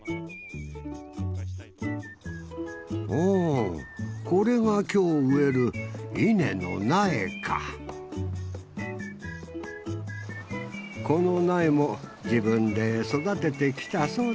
おこれが今日植える稲の苗かこの苗も自分で育ててきたそう